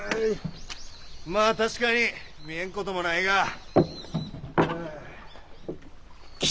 まあ確かに見えん事もないが。